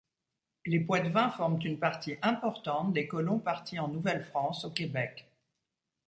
Les Poitevins forment une partie importante des colons partis en Nouvelle-France au Québec.